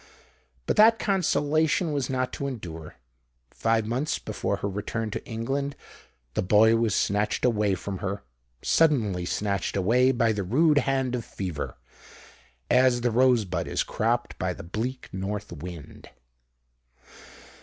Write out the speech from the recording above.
But that consolation was not to endure. Five months before her return to England the boy was snatched away from her,—suddenly snatched away by the rude hand of Fever, as the rose bud is cropped by the bleak north wind.